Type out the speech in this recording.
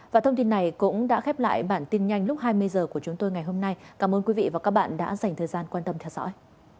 và thông tin này cũng đã khép lại bản tin nhanh lúc hai mươi h của chúng tôi ngày hôm nay cảm ơn quý vị và các bạn đã dành thời gian quan tâm theo dõi